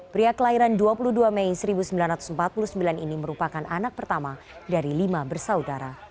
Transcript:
pria kelahiran dua puluh dua mei seribu sembilan ratus empat puluh sembilan ini merupakan anak pertama dari lima bersaudara